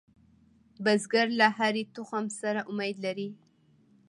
بزګر له هرې تخم سره امید لري